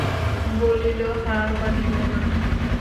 বলিল, হার মানিব না।